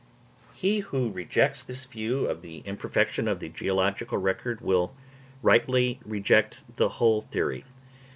He who rejects this view of the imperfection of the geological record, will rightly reject the whole theory.